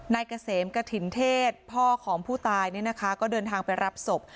เกษมกระถิ่นเทศพ่อของผู้ตายเนี่ยนะคะก็เดินทางไปรับศพ